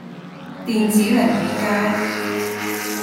電子零件街